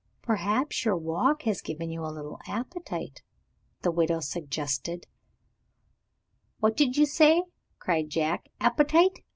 "Perhaps your walk has given you a little appetite?" the widow suggested. "What did you say?" cried Jack. "Appetite!